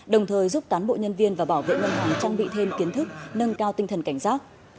đồng thời giúp tán bộ nhân viên và bảo vệ ngân hàng trang bị thêm kiến thức nâng cao tinh thần cảnh giác